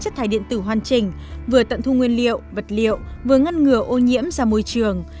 chất thải điện tử hoàn chỉnh vừa tận thu nguyên liệu vật liệu vừa ngăn ngừa ô nhiễm ra môi trường